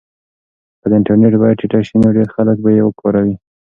که د انټرنیټ بیه ټیټه شي نو ډېر خلک به یې کاروي.